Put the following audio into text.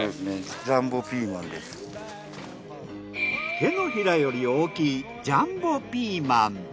手のひらより大きいジャンボピーマン。